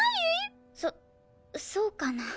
そそうかな？